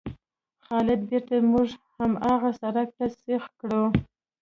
خالد بېرته موټر هماغه سړک ته سیخ کړ.